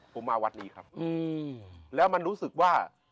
ผมมาวัดนี้ครับแล้วมันรู้สึกว่า